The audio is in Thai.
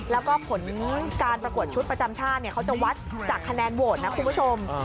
แล้วก็ผลการประกวดชุดประจำชาติเขาจะวัดจากคะแนนโหวตนะคุณผู้ชม